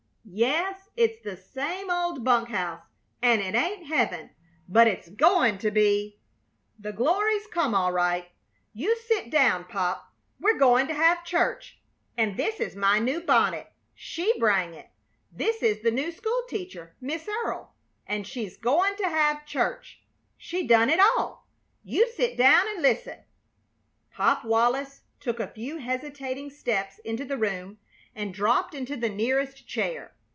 "Yes, it's the same old bunk house, and it ain't heaven, but it's goin' to be. The glory's come all right. You sit down, Pop; we're goin' to have church, and this is my new bonnet. She brang it. This is the new school teacher, Miss Earle, and she's goin' to have church. She done it all! You sit down and listen." Pop Wallis took a few hesitating steps into the room and dropped into the nearest chair.